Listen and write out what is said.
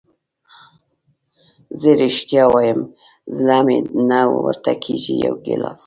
زه رښتیا وایم زړه مې نه ورته کېږي، یو ګیلاس.